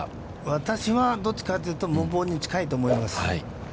私はどっちかというと、無謀に近いと思います。